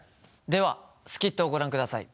ではスキットをご覧ください。